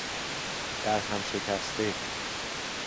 درهم شکسته